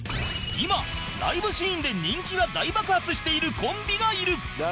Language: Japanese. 今ライブシーンで人気が大爆発しているコンビがいる